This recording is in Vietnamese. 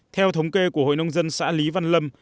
theo thống kê của hội nông dân xã lý văn lâm